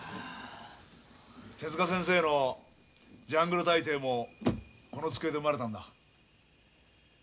手先生の「ジャングル大帝」もこの机で生まれたんだ。